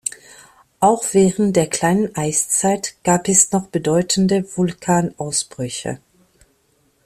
Auch während der Kleinen Eiszeit gab es noch bedeutende Vulkanausbrüche.